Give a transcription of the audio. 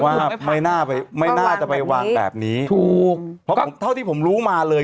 ว่าไม่น่าไปไม่น่าจะไปวางแบบนี้ถูกเพราะผมเท่าที่ผมรู้มาเลย